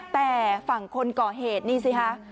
แต่ฝั่งคนก่อเหตุนี่สิคะ